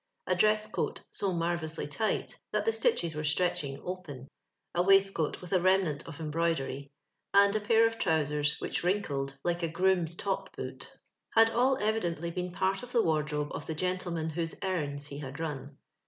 A dress coat so man ellously tiglit that the stitches were stretching open, a waistcoat witli a remnant of embroidery, and a pair of trou sers which wiinkled like a groom's toi> boot. LONDON LABOUR AND THE LONDON POOR. 475 had all evidently been part of tho wardxobe of Uie gentlemen whose errands he had run.